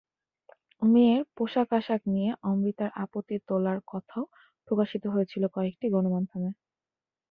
মেয়ের পোশাক-আশাক নিয়ে অমৃতার আপত্তি তোলার কথাও প্রকাশিত হয়েছিল কয়েকটি গণমাধ্যমে।